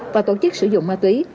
và tổ chức sử dụng ma túy